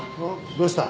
どうした。